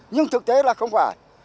nhưng thực tế là không phải